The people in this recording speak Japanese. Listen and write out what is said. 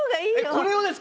えっこれをですか？